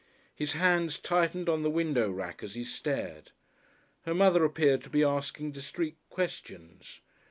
His hands tightened on the window rack as he stared. Her mother appeared to be asking discreet questions.